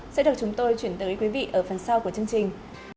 sẽ được chúng tôi chuyển tới quý vị ở phần sau của chương trình